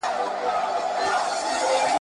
يوه مېرمن راغله، دوې لوڼي هم ورسره وې.